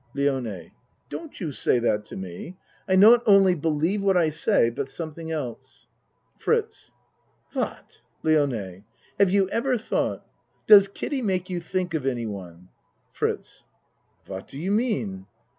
LIONE Don't you say that to me. I not only believe what I say but something else. FRITZ What? LIONE Have you ever thought Does Kiddie make you think of anyone? FRITZ What do you mean?